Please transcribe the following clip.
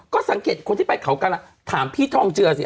ก็สังเกตคนที่ไปเขากระถามพี่ทองเจือสิ